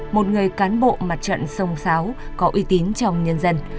một người cán bộ mặt trận sông sáo có uy tín trong nhân dân